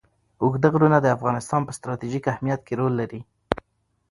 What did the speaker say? اوږده غرونه د افغانستان په ستراتیژیک اهمیت کې رول لري.